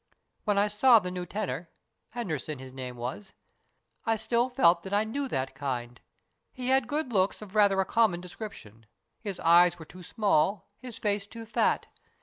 "When I saw the new tenor Henderson his name was I still felt that I knew that kind. He had good looks of rather a common description. His eyes were too small, his face too fat.